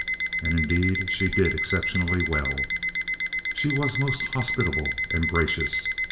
And, indeed, she did exceptionally well. She was most hospitable and gracious.